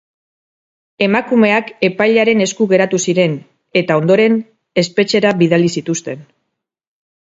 Emakumeak epailearen esku geratu ziren, eta ondoren, espetxera bidali zituzten.